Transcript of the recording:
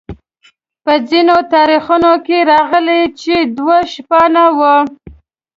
په ځینو تاریخونو کې راغلي چې دوی شپانه وو.